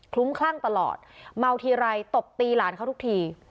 ลุ้มคลั่งตลอดเมาทีไรตบตีหลานเขาทุกที